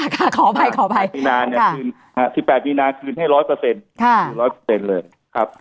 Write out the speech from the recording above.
ค่ะขออภัยขออภัย๑๘มีนาคืนให้๑๐๐ค่ะ๑๐๐เลยครับ